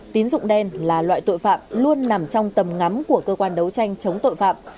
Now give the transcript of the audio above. tín dụng đen là loại tội phạm luôn nằm trong tầm ngắm của cơ quan đấu tranh chống tội phạm